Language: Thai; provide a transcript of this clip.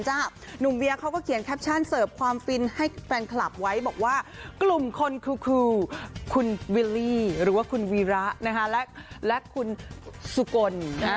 หนุ่มเวียเขาก็เขียนแคปชั่นเสิร์ฟความฟินให้แฟนคลับไว้บอกว่ากลุ่มคนคือคุณวิลลี่หรือว่าคุณวีระและคุณสุกล